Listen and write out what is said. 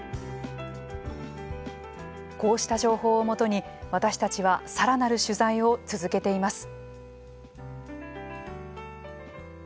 こうした情報をもとに、私たちはさらなる取材を続けています。